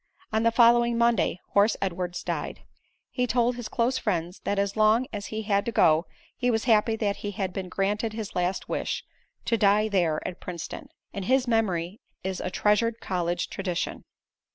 On the following Monday Horse Edwards died. He told his close friends that as long as he had to go, he was happy that he had been granted his last wish to die there at Princeton. And his memory is a treasured college tradition.